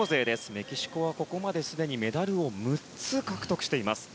メキシコはここまですでにメダルを６つ獲得しています。